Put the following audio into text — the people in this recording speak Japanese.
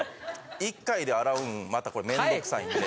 １回で洗うんまたこれめんどくさいんで。